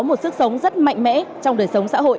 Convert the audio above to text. một sức sống rất mạnh mẽ trong đời sống xã hội